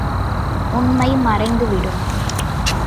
உண்மை மறைந்து விடும்!